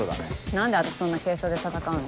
何で私そんな軽装で戦うの。